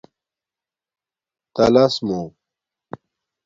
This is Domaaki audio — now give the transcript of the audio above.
تالس مُو